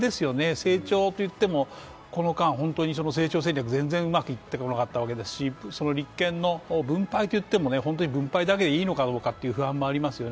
成長といってもこの間、成長戦略、全然うまくいってこなかったわけですし立憲の分配といっても、本当に分配だけでいいのかどうかという不安がありますよね。